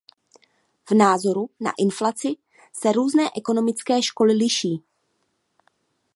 V názoru na inflaci se různé ekonomické školy liší.